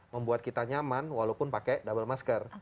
membuat kita nyaman walaupun pakai double masker